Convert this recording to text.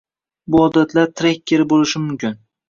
Bu odatlar trekkeri boʻlishi mumkin